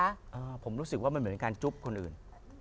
อ่าผมรู้สึกว่ามันเหมือนเป็นการจุ๊บคนอื่น